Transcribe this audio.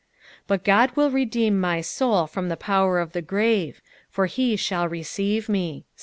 15 But God will redeem my soul from the power of the grave ; for he shall receive me.